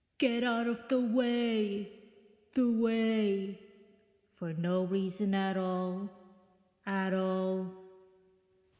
(Get out of the way, the way.... For no reason at all, at all....)